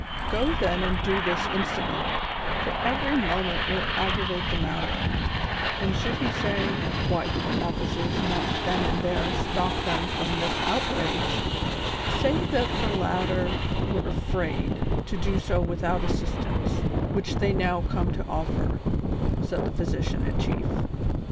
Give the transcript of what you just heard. Go then and do this instantly, for every moment will aggra vate the matter ; and should he say, ' Why did the officers not then and there stop them from this outrage V ' say that the latter were afraid to do so without assistance, which they now come to offer," said the i)hysician in cliief.